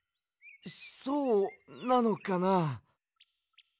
そうなのかな。